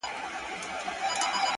o دا کتاب ختم سو نور، یو بل کتاب راکه،